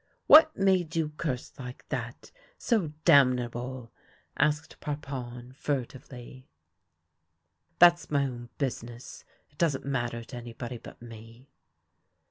" What made you curse like that — so damnable ?" asked Parpon, furtively. " That's my own business. It doesn't matter to any body but me."